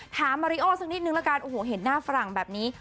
มาริโอสักนิดนึงละกันโอ้โหเห็นหน้าฝรั่งแบบนี้